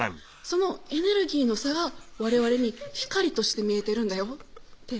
「そのエネルギーの差がわれわれに光として見えてるんだよ」って